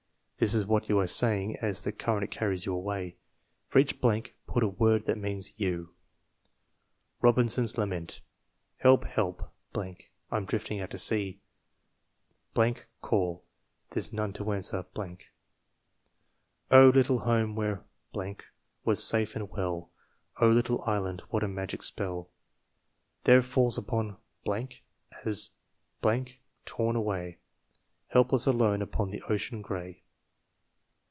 This is what you are saying as the current carries you away. For each blank put a word that means you: Robinson 9 a Lament * "Help! Help! 'm drifting out to sea! call; there's none to answer . Oh! little home where was safe and well Oh! little island! what a magic spell There falls upon as 'm torn away Helpless, alone, upon the ocean gray!"